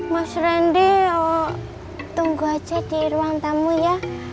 mas randi tunggu aja di ruang tamu ya